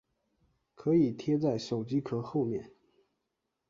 可以贴在手机壳后面